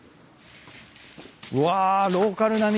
うわローカルな道